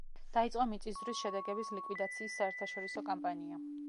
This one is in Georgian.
დაიწყო მიწისძვრის შედეგების ლიკვიდაციის საერთაშორისო კამპანია.